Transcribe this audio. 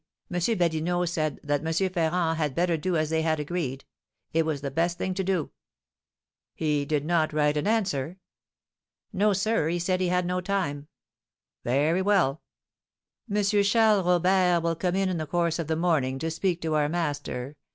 Badinot said that M. Ferrand had better do as they had agreed; it was the best thing to do." "He did not write an answer?" "No, sir; he said he had not time." "Very well." "M. Charles Robert will come in the course of the morning to speak to our master.